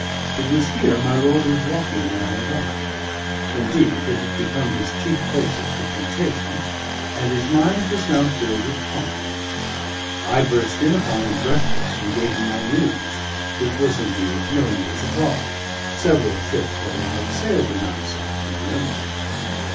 It was here my lord was walking when I arrived; indeed, it had become his chief place of frequentation, and his mind was now filled with farming. I burst in upon him breathless, and gave him my news: which was indeed no news at all, several ships having outsailed the Nonesuch in the interval.